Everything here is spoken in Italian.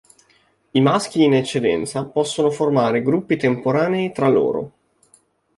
I maschi in eccedenza possono formare gruppi temporanei tra loro.